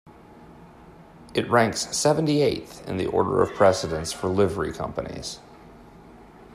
It ranks seventy-eighth in the order of precedence for Livery Companies.